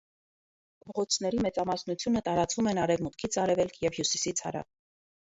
Փողոցների մեծամասնությունը տարածվում են արևմուտքից արևելք և հյուսիսից հարավ։